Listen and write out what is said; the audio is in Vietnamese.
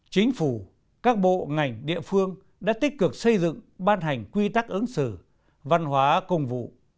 chính phủ các bộ ngành địa phương đã tích cực xây dựng ban hành quy tắc ứng xử văn hóa công vụ